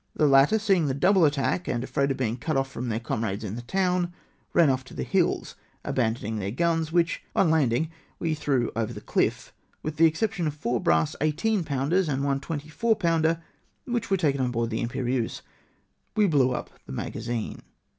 The latter, seeing the double attack and afi aid of being cut off from theu" comrades in the town, ran off to the hiUs, abandoning their guns, which, on landing, we threw over the cliff, with the exception of four brass 18 pounders and one 24 pounder, which were taken on board the Imj^erieuse. We then blew up the magazine.